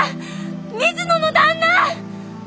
水野の旦那！